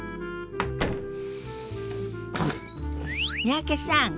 三宅さん